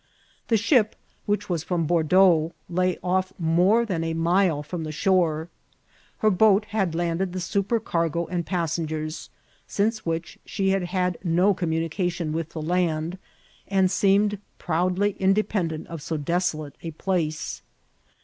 The ship, which was from Bordeaux, lay off more than a mile from the shore. Her boat had landed the supercargo and passengers, since which she had had no communication with the land, and seemed proudly independent of so desolate a place.